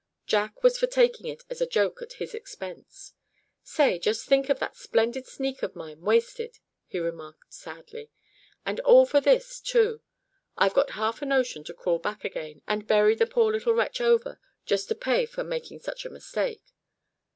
Jack was for taking it as a joke at his expense. "Say, just think of that splendid sneak of mine wasted," he remarked, sadly. "And all for this, too. I've got half a notion to crawl back again, and bury the poor little wretch over, just to pay for making such a mistake."